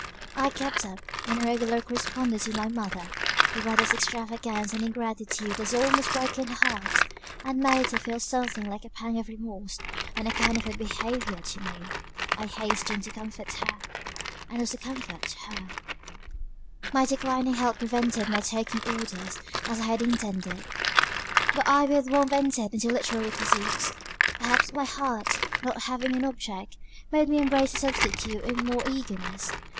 "I kept up an irregular correspondence with my mother; my brother's extravagance and ingratitude had almost broken her heart, and made her feel something like a pang of remorse, on account of her behaviour to me. I hastened to comfort her and was a comfort to her. "My declining health prevented my taking orders, as I had intended; but I with warmth entered into literary pursuits; perhaps my heart, not having an object, made me embrace the substitute with more eagerness.